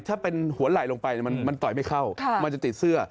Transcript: ถ้าเป็นหัวไหล่ลงไปมันต่อยไม่เข้ามันจะติดเสื้อ